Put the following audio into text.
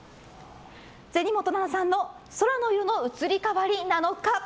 銭本七菜さんの空の色の移り変わりなのか。